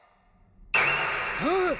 あっ！